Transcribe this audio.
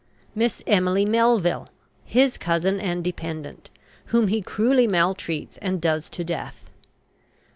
MISS EMILY MELVILLE, his cousin and dependent, whom he cruelly maltreats and does to death.